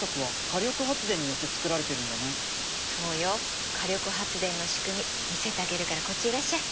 火力発電のしくみ見せてあげるからこっちいらっしゃい。